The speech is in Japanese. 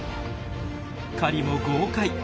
狩りも豪快！